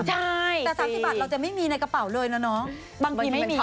ใช่สิแต่สามสิบบาทเราจะไม่มีในกระเป๋าเลยนะ